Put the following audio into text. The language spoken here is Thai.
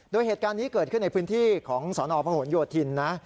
โดยเหตุการณ์นี้เกิดขึ้นในพื้นที่ของสนพหนโยธินนะ